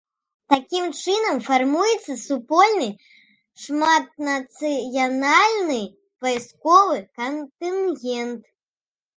Такім чынам фармуецца супольны шматнацыянальны вайсковы кантынгент.